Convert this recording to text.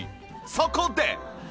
そこで！